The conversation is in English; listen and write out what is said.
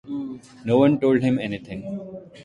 No one told him anything.